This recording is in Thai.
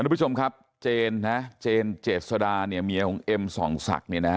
ทุกผู้ชมครับเจนนะเจนเจษดาเนี่ยเมียของเอ็มส่องศักดิ์เนี่ยนะฮะ